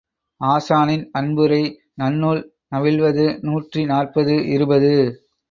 ஆசானின் அன்புரை நன்னூல் நவில்வது நூற்றி நாற்பது இருபது.